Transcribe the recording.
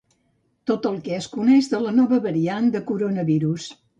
Tot el que es coneix de la nova variant de coronavirus.